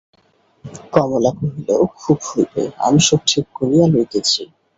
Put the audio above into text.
কমলা কহিল, খুব হইবে–আমি সব ঠিক করিয়া লইতেছি।